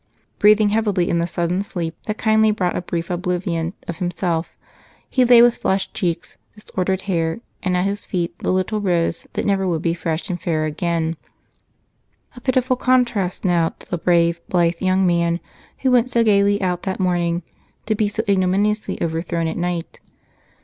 Breathing heavily in the sudden sleep that kindly brought a brief oblivion of himself, he lay with flushed cheeks, disordered hair, and at his feet the little rose that never would be fresh and fair again a pitiful contrast now to the brave, blithe young man who went so gaily out that morning to be so ignominiously overthrown at night.